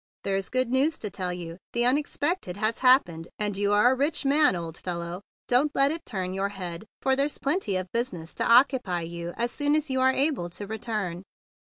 There's good news to tell THE BIG BLUE SOLDIER 151 you. The unexpected has happened, and you are a rich man, old fellow. Don't let it turn your head, for there's plenty of business to occupy you as soon as you are able to return.